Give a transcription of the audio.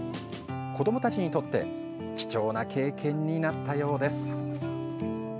子どもたちにとって貴重な体験になったようです。